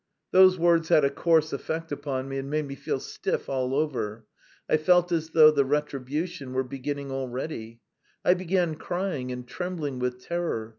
Those words had a coarse effect upon me and made me feel stiff all over. I felt as though the retribution were beginning already; I began crying and trembling with terror.